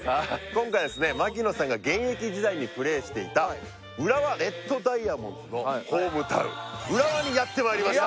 今回はですね槙野さんが現役時代にプレーしていた浦和レッドダイヤモンズのホームタウン浦和にやってまいりました